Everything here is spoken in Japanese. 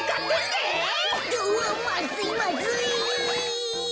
うわっまずいまずい。